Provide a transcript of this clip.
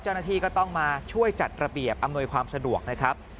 เจ้าหน้าที่ก็ต้องมาช่วยจัดระเบียบอำนวยความสะดวกนะครับ